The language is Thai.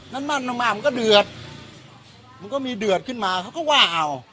นั่นมันมามันก็เดือดมันก็มีเดือดขึ้นมาเขาก็ว่าเอา